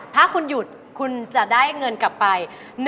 ถ้าคุณหยุดคุณจะได้เงินกลับไป